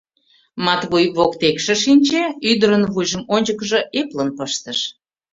Матвуй воктекше шинче, ӱдырын вуйжым ончыкыжо эплын пыштыш.